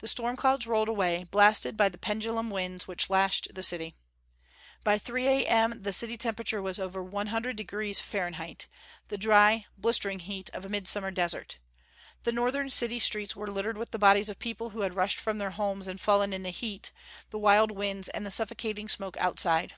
The storm clouds rolled away, blasted by the pendulum winds which lashed the city. By 3 A.M. the city temperature was over 100° F the dry, blistering heat of a midsummer desert. The northern city streets were littered with the bodies of people who had rushed from their homes and fallen in the heat, the wild winds and the suffocating smoke outside.